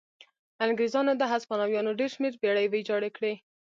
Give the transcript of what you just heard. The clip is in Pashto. انګرېزانو د هسپانویانو ډېر شمېر بېړۍ ویجاړې کړې.